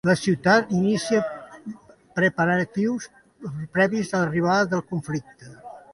La ciutat inicià preparatius previs a l'arribada del conflicte.